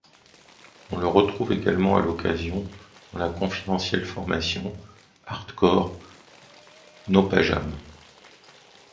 On le retrouve également à l'occasion dans la confidentielle formation hardcore NopaJam.